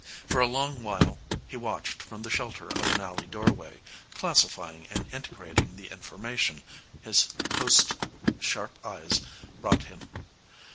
For a long while he watched from the shelter of an alley doorway, classifying and integrating the information his host's sharp eyes brought him.